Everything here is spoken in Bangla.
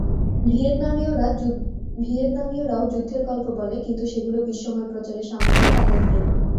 ভিয়েতনামীয়রাও যুদ্ধের গল্প বলে কিন্তু সেগুলো বিশ্বময় প্রচারের সামর্থ্য তাদের নেই।